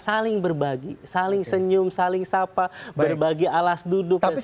saling berbagi saling senyum saling sapa berbagi alas duduk dan sebagainya